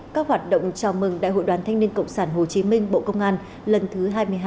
các hoạt động chào mừng đại hội đoàn thanh niên cộng sản hồ chí minh bộ công an lần thứ hai mươi hai